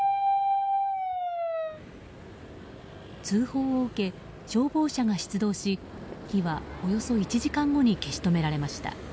通報を受け、消防車が出動し火はおよそ１時間後に消し止められました。